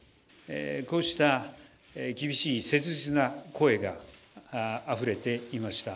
こうした厳しい切実な声があふれていました。